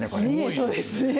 そうですね。